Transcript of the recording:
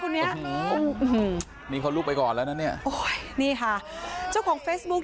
คนนี้มีคนรูปไปก่อนเลยนะเนี้ยนี่ค่ะเจ้าของเฟสบุ๊ก